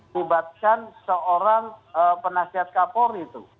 bubatkan seorang penasihat kapolri tuh